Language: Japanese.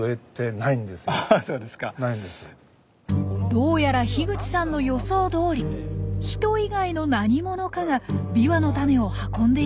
どうやら口さんの予想どおり人以外の何者かがビワの種を運んでいるようです。